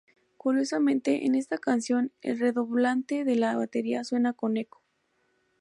Curiosamente en esta canción el redoblante de la batería suena con eco.